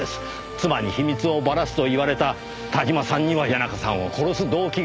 妻に秘密をバラすと言われた田島さんには谷中さんを殺す動機がある。